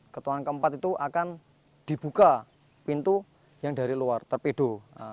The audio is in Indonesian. ketuan keempat itu akan dibuka pintu yang dari luar torpedo